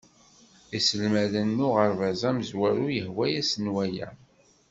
Iselmaden n uɣerbaz amezwaru yehwa-asen waya